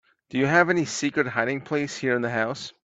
Do you have any secret hiding place here in the house?